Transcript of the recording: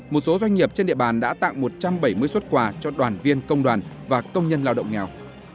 một số doanh nghiệp trên địa bàn đã tặng một trăm bảy mươi xuất quà cho đoàn viên công đoàn và công nhân lao động nghèo